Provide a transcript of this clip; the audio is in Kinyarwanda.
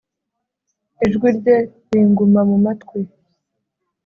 ijwi rye ringuma mu matwi